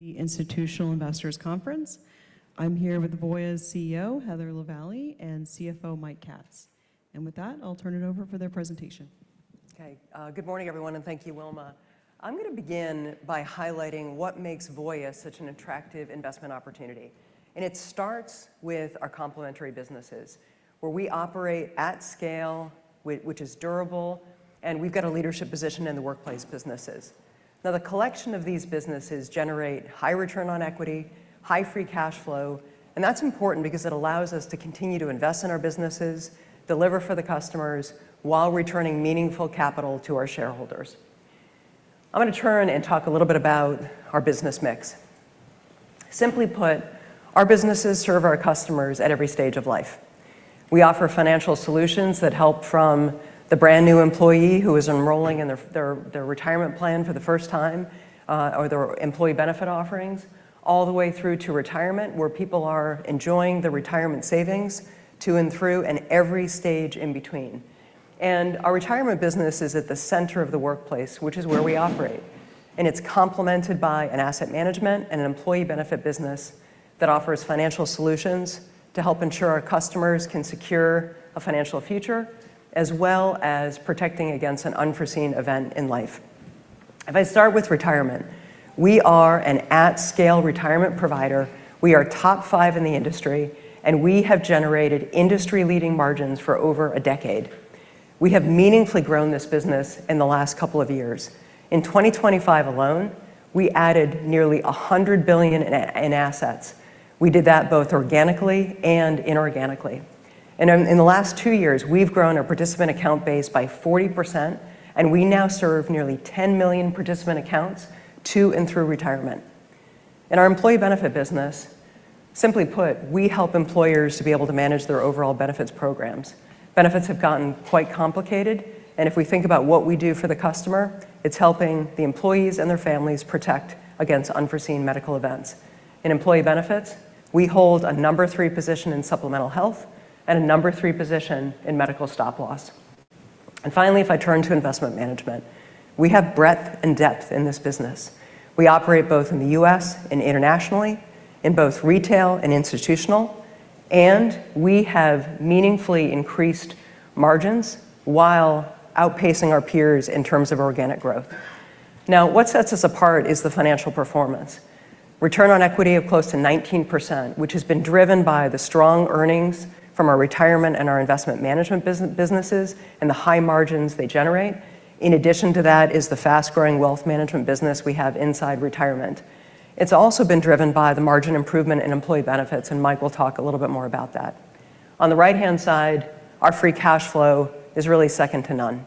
The Institutional Investors Conference. I'm here with Voya's CEO, Heather Lavallee, and CFO, Mike Katz. With that, I'll turn it over for their presentation. Okay. Good morning, everyone, thank you, Wilma. I'm gonna begin by highlighting what makes Voya such an attractive investment opportunity. It starts with our complementary businesses, where we operate at scale, which is durable, we've got a leadership position in the workplace businesses. The collection of these businesses generate high return on equity, high free cash flow, that's important because it allows us to continue to invest in our businesses, deliver for the customers, while returning meaningful capital to our shareholders. I'm gonna turn talk a little bit about our business mix. Simply put, our businesses serve our customers at every stage of life. We offer financial solutions that help from the brand-new employee who is enrolling in their retirement plan for the first time, or their employee benefit offerings, all the way through to retirement, where people are enjoying the retirement savings, to and through and every stage in between. Our retirement business is at the center of the workplace, which is where we operate, and it's complemented by an asset management and an employee benefit business that offers financial solutions to help ensure our customers can secure a financial future, as well as protecting against an unforeseen event in life. If I start with retirement, we are an at-scale retirement provider. We are top five in the industry, and we have generated industry-leading margins for over a decade. We have meaningfully grown this business in the last couple of years. In 2025 alone, we added nearly $100 billion in assets. We did that both organically and inorganically. In the last two years, we've grown our participant account base by 40%, and we now serve nearly 10 million participant accounts to and through retirement. In our employee benefit business, simply put, we help employers to be able to manage their overall benefits programs. Benefits have gotten quite complicated, and if we think about what we do for the customer, it's helping the employees and their families protect against unforeseen medical events. In employee benefits, we hold a number three position in supplemental health and a number three position in medical stop-loss. Finally, if I turn to investment management, we have breadth and depth in this business. We operate both in the U.S. Internationally, in both retail and institutional, and we have meaningfully increased margins while outpacing our peers in terms of organic growth. What sets us apart is the financial performance. Return on equity of close to 19%, which has been driven by the strong earnings from our retirement and our investment management businesses and the high margins they generate. In addition to that is the fast-growing wealth management business we have inside retirement. It's also been driven by the margin improvement in employee benefits. Mike will talk a little bit more about that. On the right-hand side, our free cash flow is really second to none.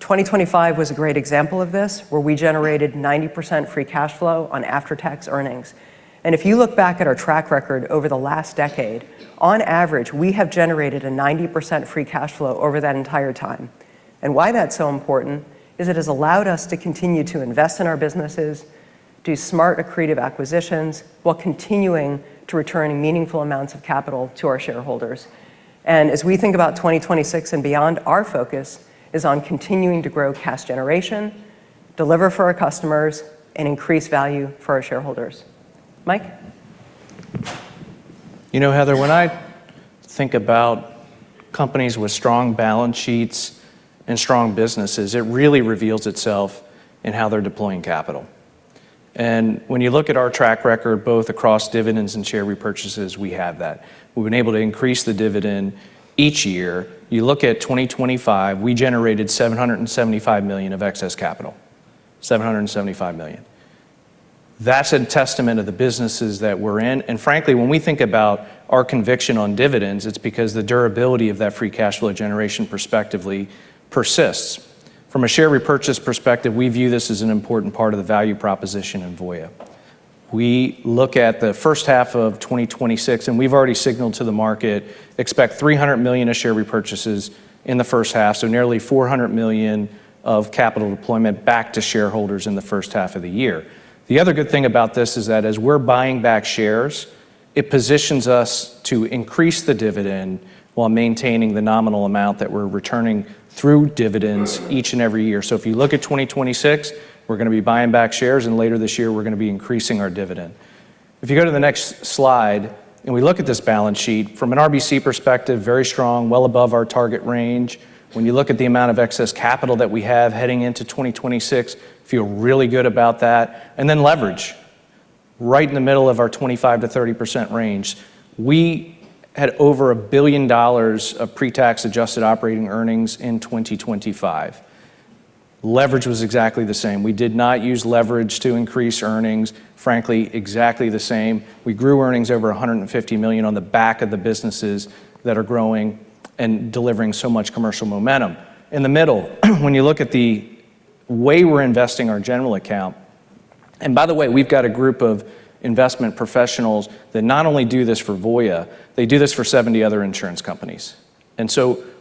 2025 was a great example of this, where we generated 90% free cash flow on after-tax earnings. If you look back at our track record over the last decade, on average, we have generated a 90% free cash flow over that entire time. Why that's so important is it has allowed us to continue to invest in our businesses, do smart, accretive acquisitions, while continuing to return meaningful amounts of capital to our shareholders. As we think about 2026 and beyond, our focus is on continuing to grow cash generation, deliver for our customers, and increase value for our shareholders. Mike? You know, Heather, when I think about companies with strong balance sheets and strong businesses, it really reveals itself in how they're deploying capital. When you look at our track record, both across dividends and share repurchases, we have that. We've been able to increase the dividend each year. You look at 2025, we generated $775 million of excess capital. $775 million. That's a testament of the businesses that we're in, and frankly, when we think about our conviction on dividends, it's because the durability of that free cash flow generation prospectively persists. From a share repurchase perspective, we view this as an important part of the value proposition in Voya. We look at the first half of 2026, and we've already signaled to the market, expect $300 million of share repurchases in the first half, so nearly $400 million of capital deployment back to shareholders in the first half of the year. The other good thing about this is that as we're buying back shares, it positions us to increase the dividend while maintaining the nominal amount that we're returning through dividends each and every year. If you look at 2026, we're gonna be buying back shares, and later this year, we're gonna be increasing our dividend. If you go to the next slide and we look at this balance sheet, from an RBC perspective, very strong, well above our target range. When you look at the amount of excess capital that we have heading into 2026, feel really good about that. Leverage, right in the middle of our 25%-30% range. We had over $1 billion of pre-tax adjusted operating earnings in 2025. Leverage was exactly the same. We did not use leverage to increase earnings. Frankly, exactly the same. We grew earnings over $150 million on the back of the businesses that are growing and delivering so much commercial momentum. In the middle, when you look at the way we're investing our general account, and by the way, we've got a group of investment professionals that not only do this for Voya, they do this for 70 other insurance companies.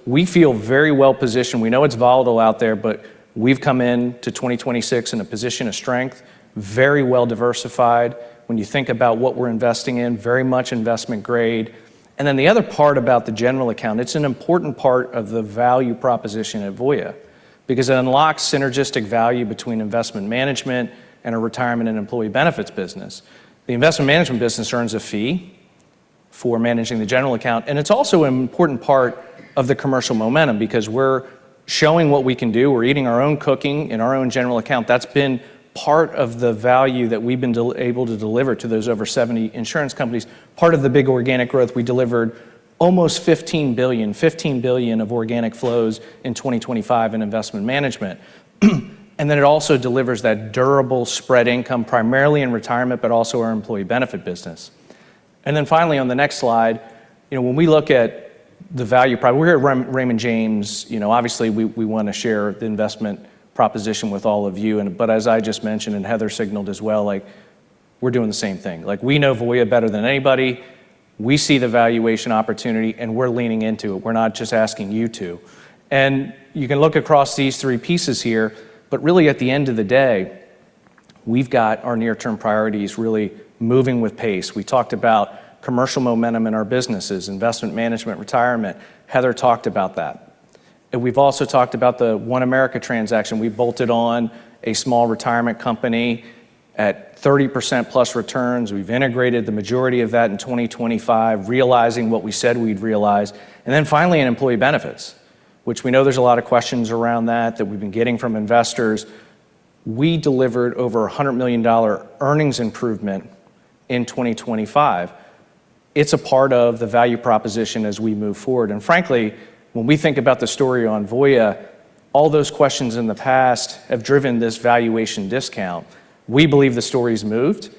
We feel very well positioned. We know it's volatile out there, but we've come into 2026 in a position of strength, very well diversified. When you think about what we're investing in, very much investment grade. The other part about the general account, it's an important part of the value proposition at Voya because it unlocks synergistic value between Investment Management and our Retirement and Employee Benefits business. The Investment Management business earns a fee for managing the general account, and it's also an important part of the commercial momentum because we're showing what we can do. We're eating our own cooking in our own general account. That's been part of the value that we've been able to deliver to those over 70 insurance companies. Part of the big organic growth, we delivered almost $15 billion of organic flows in 2025 in Investment Management. It also delivers that durable spread income primarily in retirement, but also our Employee Benefit business. Finally, on the next slide, you know, when we look at the value prop. We're here at Raymond James, you know, obviously we wanna share the investment proposition with all of you. As I just mentioned, and Heather signaled as well, like, we're doing the same thing. Like, we know Voya better than anybody. We see the valuation opportunity. We're leaning into it. We're not just asking you to. You can look across these three pieces here, but really at the end of the day, we've got our near-term priorities really moving with pace. We talked about commercial momentum in our businesses, investment management, retirement. Heather talked about that. We've also talked about the OneAmerica transaction. We bolted on a small retirement company at +30% returns. We've integrated the majority of that in 2025, realizing what we said we'd realize. Finally, in employee benefits, which we know there's a lot of questions around that that we've been getting from investors, we delivered over a $100 million earnings improvement in 2025. It's a part of the value proposition as we move forward. Frankly, when we think about the story on Voya, all those questions in the past have driven this valuation discount. We believe the story's moved.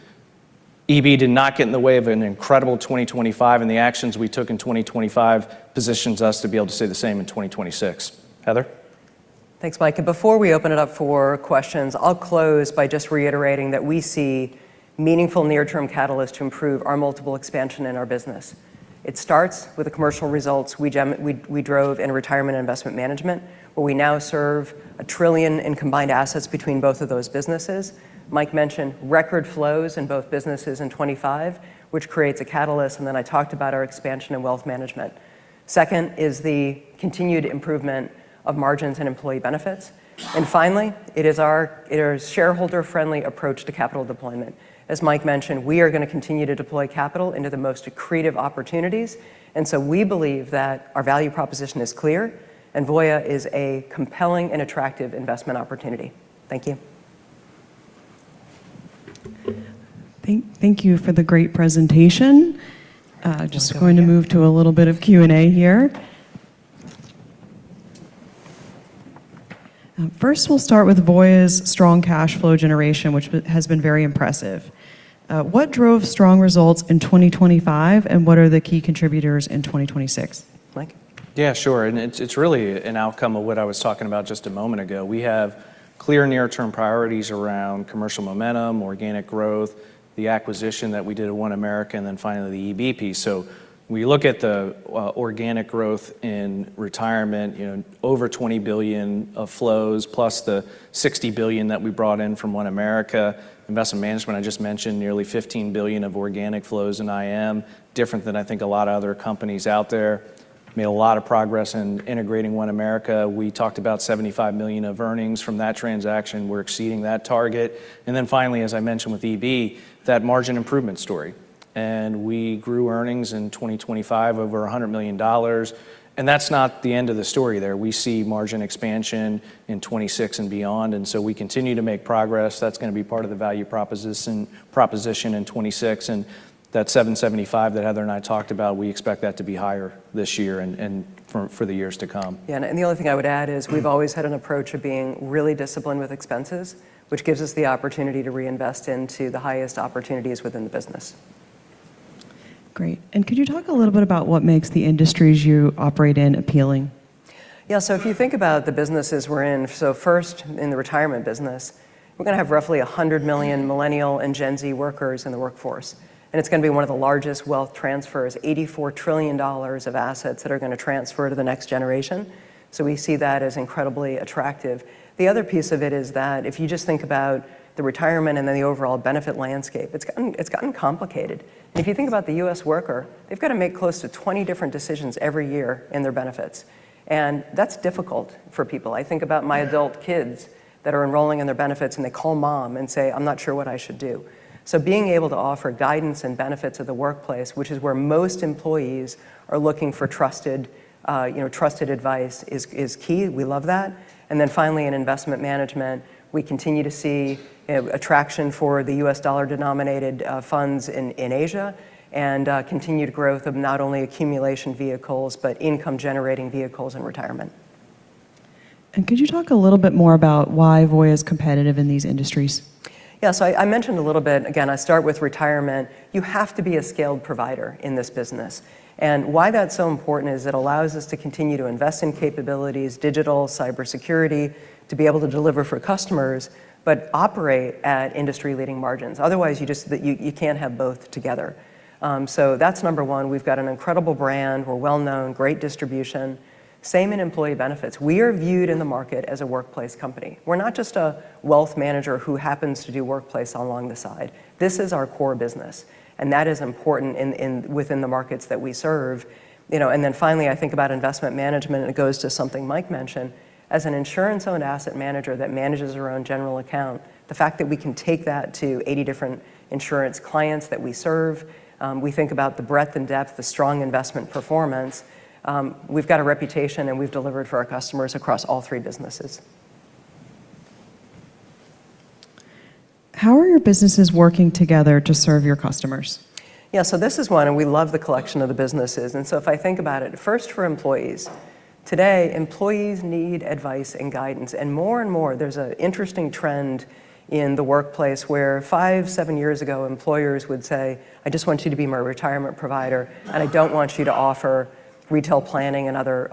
EB did not get in the way of an incredible 2025, and the actions we took in 2025 positions us to be able to say the same in 2026. Heather? Thanks, Mike. Before we open it up for questions, I'll close by just reiterating that we see meaningful near-term catalysts to improve our multiple expansion in our business. It starts with the commercial results we drove in retirement investment management, where we now serve 1 trillion in combined assets between both of those businesses. Mike mentioned record flows in both businesses in 2025, which creates a catalyst, and then I talked about our expansion in wealth management. Second is the continued improvement of margins in employee benefits. Finally, it is our shareholder-friendly approach to capital deployment. As Mike mentioned, we are gonna continue to deploy capital into the most accretive opportunities. We believe that our value proposition is clear, and Voya is a compelling and attractive investment opportunity. Thank you. Thank you for the great presentation. Just going to move to a little bit of Q&A here. First we'll start with Voya's strong cash flow generation, which has been very impressive. What drove strong results in 2025, and what are the key contributors in 2026? Mike? Yeah, sure. It's really an outcome of what I was talking about just a moment ago. We have clear near-term priorities around commercial momentum, organic growth, the acquisition that we did at OneAmerica, and then finally the EB piece. When you look at the organic growth in retirement, you know, over $20 billion of flows plus the $60 billion that we brought in from OneAmerica. Investment management, I just mentioned nearly $15 billion of organic flows in IM, different than I think a lot of other companies out there. Made a lot of progress in integrating OneAmerica. We talked about $75 million of earnings from that transaction. We're exceeding that target. Finally, as I mentioned with EB, that margin improvement story. We grew earnings in 2025 over $100 million. That's not the end of the story there. We see margin expansion in 2026 and beyond. We continue to make progress. That's gonna be part of the value proposition in 2026. That $775 million that Heather and I talked about, we expect that to be higher this year and for the years to come. Yeah, the only thing I would add is we've always had an approach of being really disciplined with expenses, which gives us the opportunity to reinvest into the highest opportunities within the business. Great. Could you talk a little bit about what makes the industries you operate in appealing? Yeah. If you think about the businesses we're in, first in the retirement business, we're gonna have roughly 100 million millennial and Gen Z workers in the workforce, and it's gonna be one of the largest wealth transfers, $84 trillion of assets that are gonna transfer to the next generation. We see that as incredibly attractive. The other piece of it is that if you just think about the retirement and then the overall benefit landscape, it's gotten complicated. If you think about the U.S. worker, they've got to make close to 20 different decisions every year in their benefits, and that's difficult for people. I think about my adult kids that are enrolling in their benefits, and they call mom and say, "I'm not sure what I should do." Being able to offer guidance and benefits at the workplace, which is where most employees are looking for trusted, you know, trusted advice is key. We love that. Finally, in investment management, we continue to see a traction for the U.S. dollar-denominated funds in Asia and continued growth of not only accumulation vehicles, but income-generating vehicles in retirement. Could you talk a little bit more about why Voya is competitive in these industries? Yeah. I mentioned a little bit, again, I start with retirement. You have to be a scaled provider in this business. Why that's so important is it allows us to continue to invest in capabilities, digital, cybersecurity, to be able to deliver for customers but operate at industry-leading margins. Otherwise, you just, you can't have both together. That's number one. We've got an incredible brand. We're well-known, great distribution. Same in employee benefits. We are viewed in the market as a workplace company. We're not just a wealth manager who happens to do workplace along the side. This is our core business, and that is important in within the markets that we serve. You know, finally, I think about investment management, and it goes to something Mike mentioned. As an insurance-owned asset manager that manages our own general account, the fact that we can take that to 80 different insurance clients that we serve, we think about the breadth and depth, the strong investment performance, we've got a reputation, and we've delivered for our customers across all three businesses. How are your businesses working together to serve your customers? Yeah, this is one, we love the collection of the businesses. If I think about it, first for employees, today, employees need advice and guidance. More and more, there's an interesting trend in the workplace where five, seven years ago, employers would say, "I just want you to be my retirement provider, and I don't want you to offer retail planning and other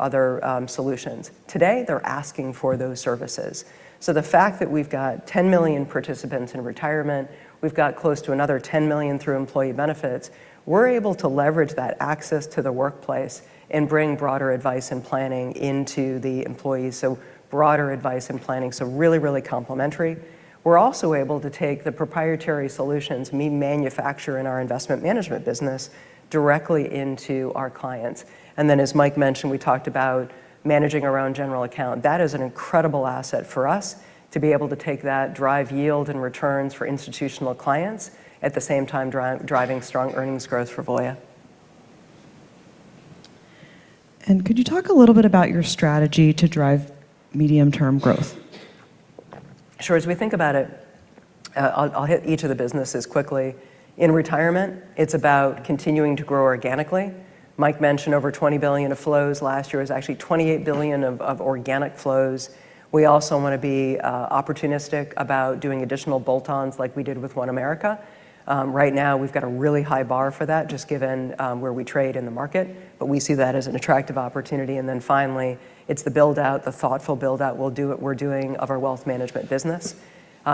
solutions." Today, they're asking for those services. The fact that we've got $10 million participants in retirement, we've got close to another $10 million through employee benefits, we're able to leverage that access to the workplace and bring broader advice and planning into the employees. Broader advice and planning, so really complementary. We're also able to take the proprietary solutions we manufacture in our investment management business directly into our clients. As Mike mentioned, we talked about managing our own general account. That is an incredible asset for us to be able to take that drive yield and returns for institutional clients, at the same time driving strong earnings growth for Voya. Could you talk a little bit about your strategy to drive medium-term growth? Sure. As we think about it, I'll hit each of the businesses quickly. In Retirement, it's about continuing to grow organically. Mike mentioned over $20 billion of flows last year. It was actually $28 billion of organic flows. We also wanna be opportunistic about doing additional bolt-ons like we did with OneAmerica. Right now, we've got a really high bar for that just given where we trade in the market, but we see that as an attractive opportunity. Finally, it's the build-out, the thoughtful build-out. We'll do what we're doing of our wealth management business.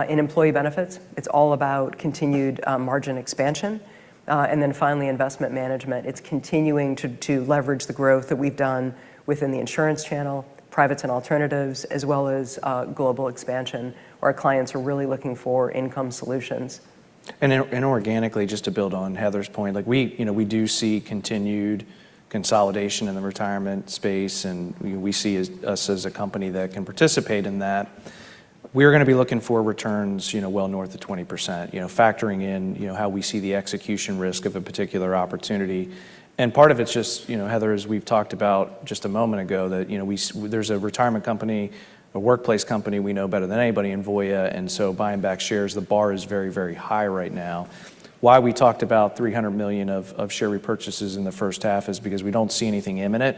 In employee benefits, it's all about continued margin expansion. Finally, Investment Management. It's continuing to leverage the growth that we've done within the insurance channel, privates and alternatives, as well as global expansion, where our clients are really looking for income solutions. Organically, just to build on Heather's point, like, we, you know, do see continued consolidation in the retirement space, and we see us as a company that can participate in that. We're gonna be looking for returns, you know, well north of 20%. You know, factoring in, you know, how we see the execution risk of a particular opportunity. Part of it's just, you know, Heather, as we've talked about just a moment ago, that, you know, there's a retirement company, a workplace company we know better than anybody in Voya, buying back shares, the bar is very, very high right now. Why we talked about $300 million of share repurchases in the first half is because we don't see anything imminent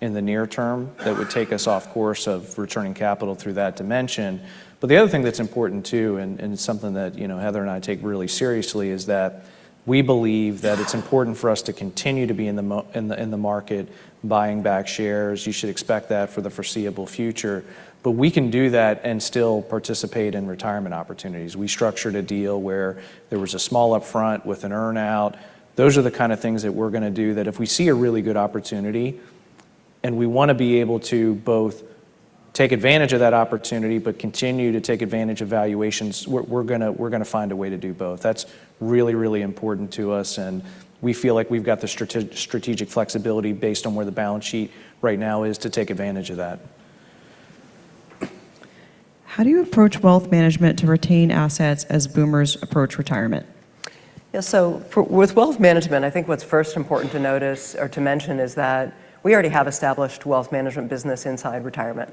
in the near term that would take us off course of returning capital through that dimension. The other thing that's important, too, and it's something that, you know, Heather and I take really seriously, is that we believe that it's important for us to continue to be in the market buying back shares. You should expect that for the foreseeable future. We can do that and still participate in retirement opportunities. We structured a deal where there was a small upfront with an earn-out. Those are the kinda things that we're gonna do that if we see a really good opportunity, and we wanna be able to both take advantage of that opportunity but continue to take advantage of valuations. We're gonna find a way to do both. That's really important to us. We feel like we've got the strategic flexibility based on where the balance sheet right now is to take advantage of that. How do you approach wealth management to retain assets as boomers approach retirement? With wealth management, I think what's first important to notice or to mention is that we already have established wealth management business inside retirement.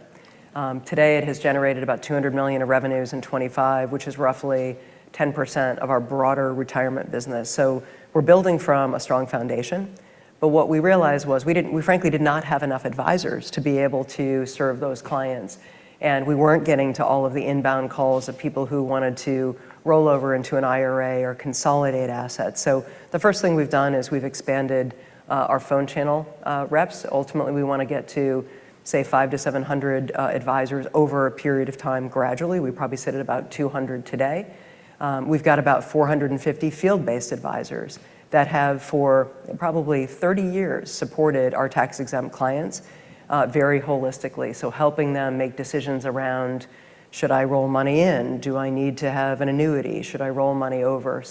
Today, it has generated about $200 million of revenues in 2025, which is roughly 10% of our broader retirement business. We're building from a strong foundation, but what we realized was we frankly did not have enough advisors to be able to serve those clients, and we weren't getting to all of the inbound calls of people who wanted to roll over into an IRA or consolidate assets. The first thing we've done is we've expanded our phone channel reps. Ultimately, we wanna get to, say, 500 to 700 advisors over a period of time gradually. We probably sit at about 200 today. We've got about 450 field-based advisors that have, for probably 30 years, supported our tax-exempt clients, very holistically. Helping them make decisions around should I roll money in? Do I need to have an annuity? Should I roll money over?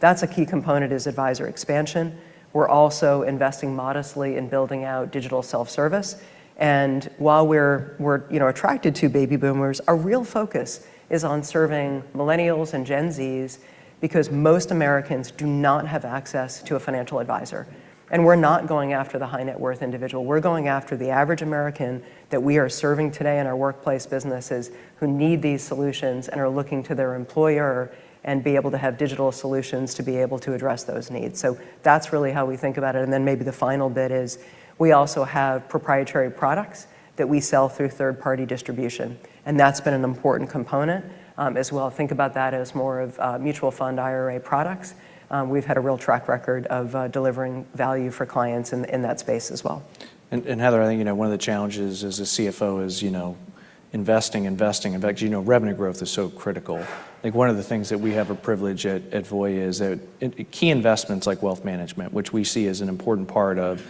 That's a key component is advisor expansion. We're also investing modestly in building out digital self-service. While we're, you know, attracted to Baby Boomers, our real focus is on serving millennials and Gen Zs because most Americans do not have access to a financial advisor. We're not going after the high-net-worth individual. We're going after the average American that we are serving today in our workplace businesses who need these solutions and are looking to their employer and be able to have digital solutions to be able to address those needs. That's really how we think about it. Maybe the final bit is we also have proprietary products that we sell through third-party distribution, and that's been an important component as well. Think about that as more of mutual fund IRA products. We've had a real track record of delivering value for clients in that space as well. Heather, I think, you know, one of the challenges as a CFO is, you know, investing. In fact, you know, revenue growth is so critical. I think one of the things that we have a privilege at Voya is that in key investments like wealth management, which we see as an important part of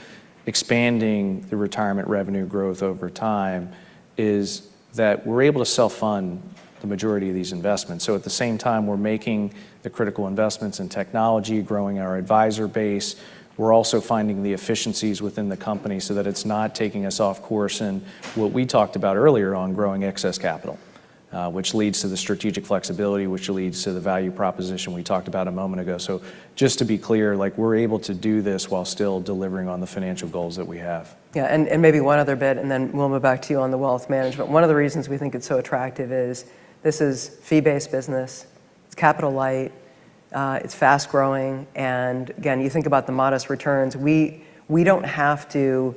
expanding the retirement revenue growth over time, is that we're able to self-fund the majority of these investments. At the same time, we're making the critical investments in technology, growing our advisor base. We're also finding the efficiencies within the company so that it's not taking us off course in what we talked about earlier on growing excess capital, which leads to the strategic flexibility, which leads to the value proposition we talked about a moment ago. Just to be clear, like, we're able to do this while still delivering on the financial goals that we have. Yeah, maybe one other bit, then we'll move back to you on the wealth management. One of the reasons we think it's so attractive is this is fee-based business. It's capital light, it's fast-growing, and again, you think about the modest returns. We don't have to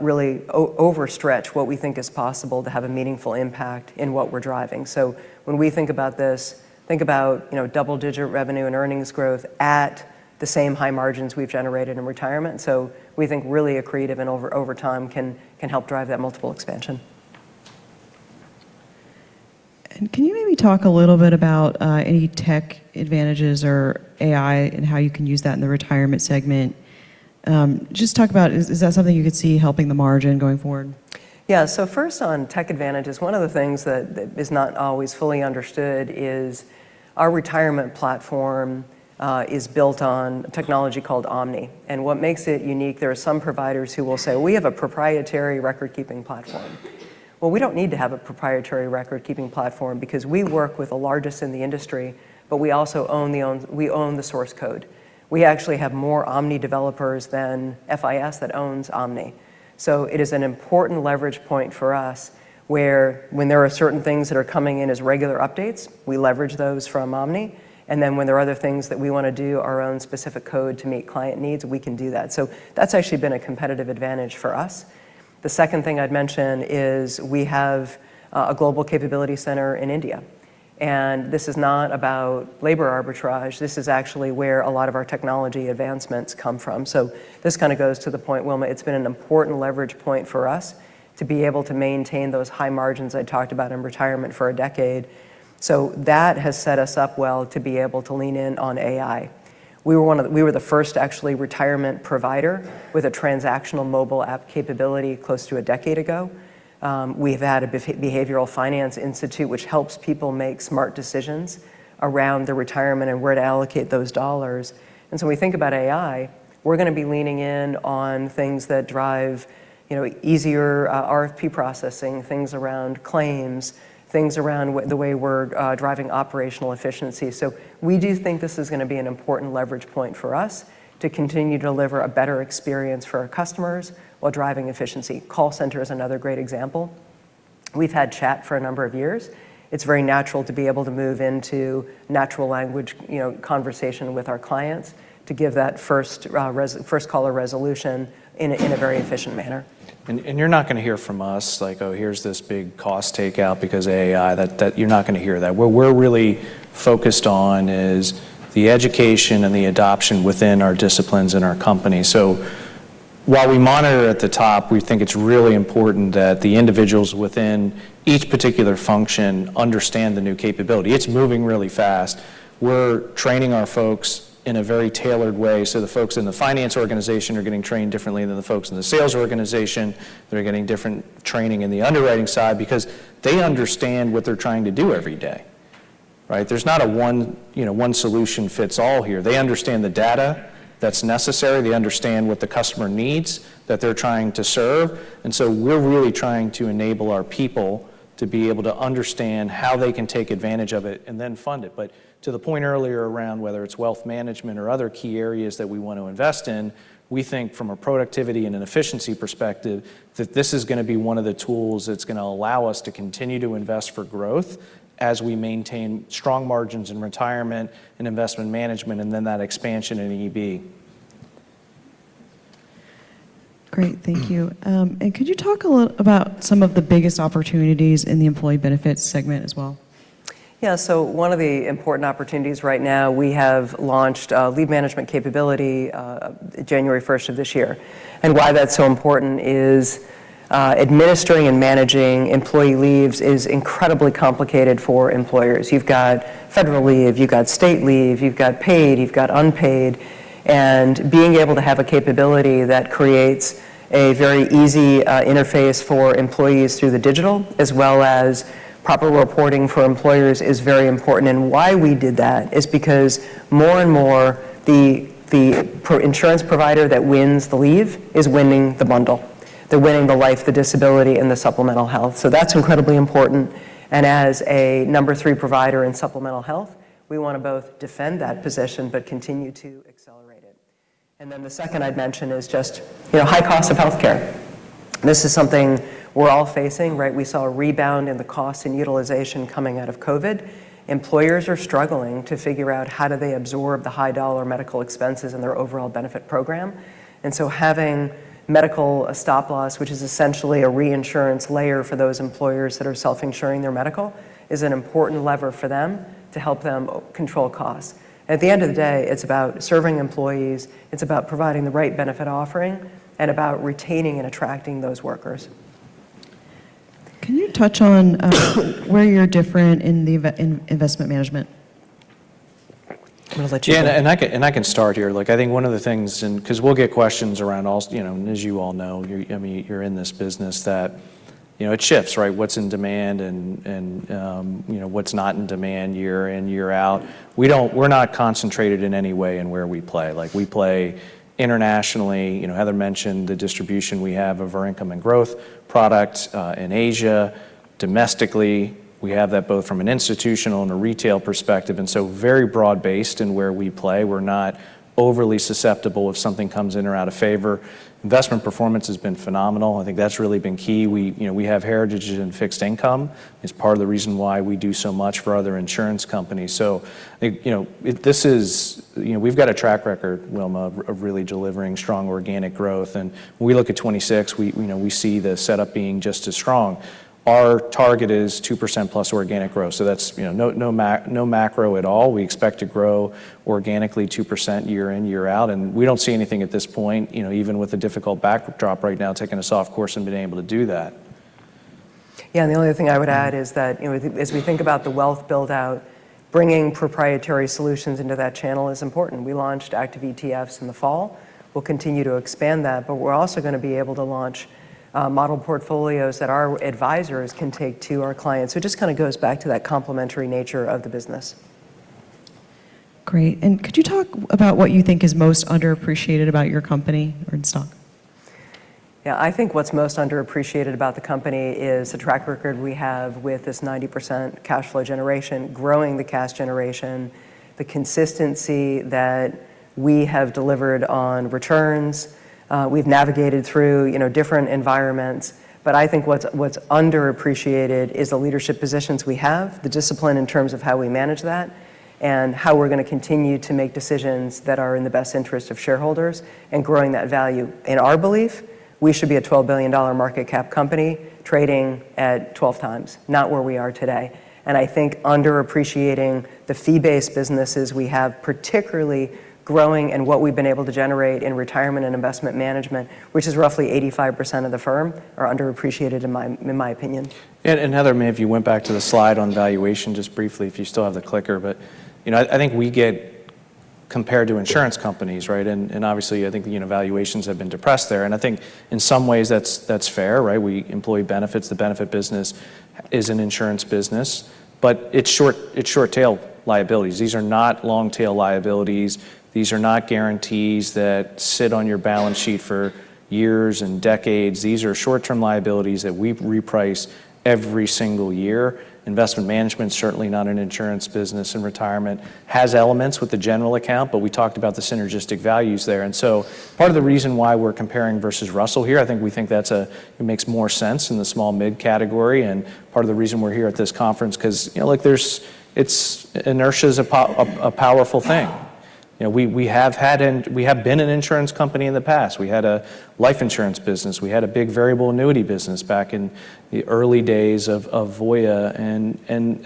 really overstretch what we think is possible to have a meaningful impact in what we're driving. When we think about this, think about, you know, double-digit revenue and earnings growth at the same high margins we've generated in retirement. We think really accretive and over time can help drive that multiple expansion. Can you maybe talk a little bit about any tech advantages or AI and how you can use that in the retirement segment? Just talk about is that something you could see helping the margin going forward? First on tech advantages, one of the things that is not always fully understood is our retirement platform is built on technology called Omni. What makes it unique, there are some providers who will say, "We have a proprietary record-keeping platform." Well, we don't need to have a proprietary record-keeping platform because we work with the largest in the industry, but we also own the source code. We actually have more Omni developers than FIS that owns Omni. It is an important leverage point for us where when there are certain things that are coming in as regular updates, we leverage those from Omni, and then when there are other things that we wanna do our own specific code to meet client needs, we can do that. That's actually been a competitive advantage for us. The second thing I'd mention is we have a global capability center in India, and this is not about labor arbitrage. This is actually where a lot of our technology advancements come from. This kinda goes to the point, Wilma, it's been an important leverage point for us to be able to maintain those high margins I talked about in retirement for a decade. That has set us up well to be able to lean in on AI. We were the first actually retirement provider with a transactional mobile app capability close to a decade ago. We've added Behavioral Finance Institute, which helps people make smart decisions around their retirement and where to allocate those dollars. When we think about AI, we're gonna be leaning in on things that drive, you know, easier, RFP processing, things around claims, things around the way we're driving operational efficiency. We do think this is gonna be an important leverage point for us to continue to deliver a better experience for our customers while driving efficiency. Call center is another great example. We've had chat for a number of years. It's very natural to be able to move into natural language, you know, conversation with our clients to give that first caller resolution in a very efficient manner. You're not gonna hear from us like, "Oh, here's this big cost takeout because AI," that you're not gonna hear that. What we're really focused on is the education and the adoption within our disciplines in our company. While we monitor at the top, we think it's really important that the individuals within each particular function understand the new capability. It's moving really fast. We're training our folks in a very tailored way, so the folks in the finance organization are getting trained differently than the folks in the sales organization. They're getting different training in the underwriting side because they understand what they're trying to do every day, right? There's not a one, you know, one solution fits all here. They understand the data that's necessary. They understand what the customer needs that they're trying to serve. We're really trying to enable our people to be able to understand how they can take advantage of it and then fund it. To the point earlier around whether it's wealth management or other key areas that we want to invest in, we think from a productivity and an efficiency perspective, that this is gonna be one of the tools that's gonna allow us to continue to invest for growth as we maintain strong margins in retirement and investment management, and then that expansion in EB. Great. Thank you. Could you talk a little about some of the biggest opportunities in the employee benefits segment as well? Yeah. One of the important opportunities right now, we have launched a lead management capability, January first of this year, why that's so important is, administering and managing employee leaves is incredibly complicated for employers. You've got federal leave, you've got state leave, you've got paid, you've got unpaid, and being able to have a capability that creates a very easy interface for employees through the digital, as well as proper reporting for employers is very important. Why we did that is because more and more the insurance provider that wins the leave is winning the bundle. They're winning the life, the disability, and the supplemental health. That's incredibly important, and as a number three provider in supplemental health, we wanna both defend that position but continue to accelerate it. The second I'd mention is just, you know, high cost of healthcare. This is something we're all facing, right? We saw a rebound in the cost and utilization coming out of COVID. Employers are struggling to figure out how do they absorb the high dollar medical expenses in their overall benefit program. Having medical stop-loss, which is essentially a reinsurance layer for those employers that are self-insuring their medical, is an important lever for them to help them control costs. At the end of the day, it's about serving employees, it's about providing the right benefit offering, and about retaining and attracting those workers. Can you touch on, where you're different in investment management? I'm gonna let you-- Yeah. I can start here. Like, I think one of the things, and 'cause we'll get questions around you know, and as you all know, you're, I mean, you're in this business that, you know, it shifts, right, what's in demand and, you know, what's not in demand year in, year out. We're not concentrated in any way in where we play. Like, we play internationally. You know, Heather mentioned the distribution we have of our Income and Growth Fund in Asia. Domestically, we have that both from an institutional and a retail perspective, and so very broad-based in where we play. We're not overly susceptible if something comes in or out of favor. Investment performance has been phenomenal. I think that's really been key. We, you know, have heritage in fixed income. It's part of the reason why we do so much for other insurance companies. You know, this is, you know, we've got a track record, Wilma, of really delivering strong organic growth. When we look at 2026, we, you know, we see the setup being just as strong. Our target is +2% organic growth, so that's, you know, no macro at all. We expect to grow organically 2% year in, year out, and we don't see anything at this point, you know, even with the difficult backdrop right now, taking a soft course and being able to do that. Yeah, the only other thing I would add is that, you know, as we think about the wealth build-out, bringing proprietary solutions into that channel is important. We launched active ETFs in the fall. We'll continue to expand that, we're also going to be able to launch model portfolios that our advisors can take to our clients. It just kind of goes back to that complementary nature of the business. Great. Could you talk about what you think is most underappreciated about your company or its stock? Yeah. I think what's most underappreciated about the company is the track record we have with this 90% cash flow generation, growing the cash generation, the consistency that we have delivered on returns. We've navigated through, you know, different environments. I think what's underappreciated is the leadership positions we have, the discipline in terms of how we manage that, and how we're gonna continue to make decisions that are in the best interest of shareholders and growing that value. In our belief, we should be a $12 billion market cap company trading at 12x, not where we are today. I think underappreciating the fee-based businesses we have, particularly growing and what we've been able to generate in retirement and investment management, which is roughly 85% of the firm, are underappreciated in my, in my opinion. Heather, maybe if you went back to the slide on valuation just briefly, if you still have the clicker. You know, I think we get compared to insurance companies, right? Obviously, I think, you know, valuations have been depressed there, and I think in some ways that's fair, right? We employ benefits. The benefit business is an insurance business, but it's short-tail liabilities. These are not long-tail liabilities. These are not guarantees that sit on your balance sheet for years and decades. These are short-term liabilities that we reprice every single year. Investment management's certainly not an insurance business, and retirement has elements with the general account, but we talked about the synergistic values there. Part of the reason why we're comparing versus Russell here, I think we think that's a-- It makes more sense in the small mid-category and part of the reason we're here at this conference 'cause, you know, look, there's its inertia is a powerful thing. You know, we have been an insurance company in the past. We had a life insurance business. We had a big variable annuity business back in the early days of Voya.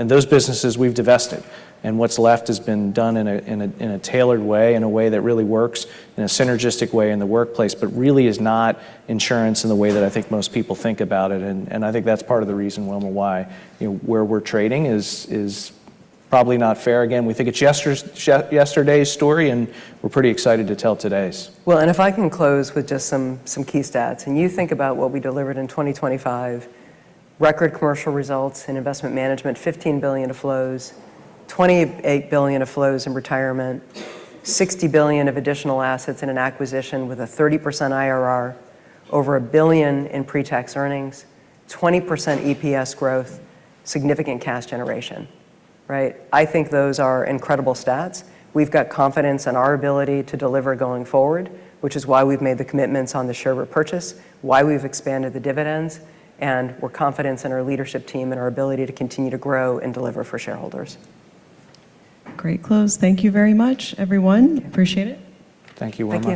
Those businesses we've divested, and what's left has been done in a tailored way, in a way that really works, in a synergistic way in the workplace, but really is not insurance in the way that I think most people think about it. I think that's part of the reason, Wilma, why, you know, where we're trading is probably not fair. We think it's yesterday's story, and we're pretty excited to tell today's. If I can close with just some key stats. When you think about what we delivered in 2025, record commercial results in investment management, $15 billion of flows, $28 billion of flows in retirement, $60 billion of additional assets in an acquisition with a 30% IRR, over $1 billion in pre-tax earnings, 20% EPS growth, significant cash generation, right? I think those are incredible stats. We've got confidence in our ability to deliver going forward, which is why we've made the commitments on the share repurchase, why we've expanded the dividends, and we're confidence in our leadership team and our ability to continue to grow and deliver for shareholders. Great close. Thank you very much, everyone. Appreciate it. Thank you, Wilma.